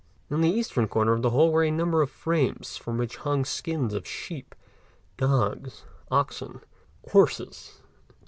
In the eastern corner of the hall were a number of frames from which hung the skins of sheep, dogs, oxen, horses, etc.